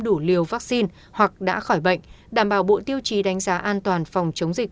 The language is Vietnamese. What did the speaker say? đủ liều vaccine hoặc đã khỏi bệnh đảm bảo bộ tiêu chí đánh giá an toàn phòng chống dịch